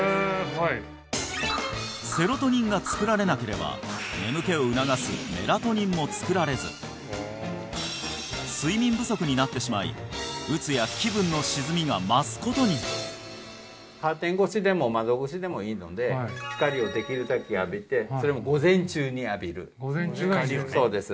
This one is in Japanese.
はいセロトニンが作られなければ眠気を促すメラトニンも作られず睡眠不足になってしまいうつや気分の沈みが増すことにカーテン越しでも窓越しでもいいので光をできるだけ浴びてそれも午前中に浴びる午前中がいいんですか？